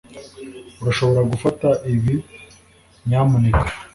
Urashobora gufata ibi nyamuneka